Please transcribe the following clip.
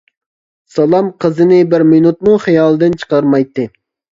سالام قىزنى بىر مىنۇتمۇ خىيالىدىن چىقارمايتتى.